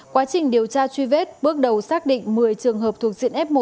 quá trình điều tra truy vết bước đầu xác định một mươi trường hợp thuộc diện f một